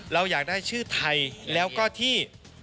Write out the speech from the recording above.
เราอยากได้ชื่อไทยแล้วก็ที่